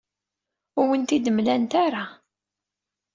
Ur awen-ten-id-mlant ara.